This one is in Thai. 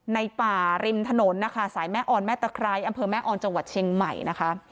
ในป่าริมถนนนะคะสายแม่ออนแม่ตะไคร้อำเภอแม่ออนจังหวัดเชียงใหม่นะคะ